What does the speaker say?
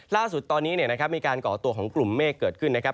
ล่าสุดตอนนี้มีการก่อตัวของกลุ่มเมฆเกิดขึ้นนะครับ